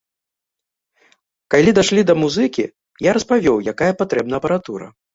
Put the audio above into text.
Калі дайшлі да музыкі, я распавёў, якая патрэбна апаратура.